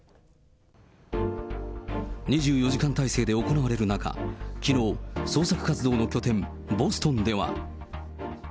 ２４時間態勢で行われる中、きのう、捜索活動の拠点、ボストンでは。